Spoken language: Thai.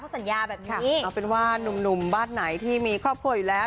เอาเป็นว่านุ่มบ้านไหนที่มีครอบครัวอยู่แล้ว